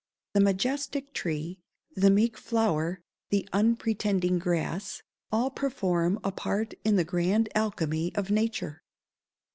The majestic tree, the meek flower, the unpretending grass, all perform a part in the grand alchemy of nature.